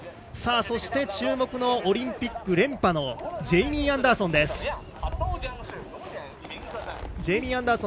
そして注目のオリンピック連覇のジェイミー・アンダーソン。